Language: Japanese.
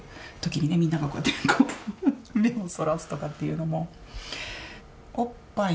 みんながこうやってこう目をそらすとかっていうのも。